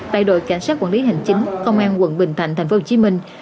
tại đội cảnh sát quản lý hành chính công an quận bình thạnh thành phố hồ chí minh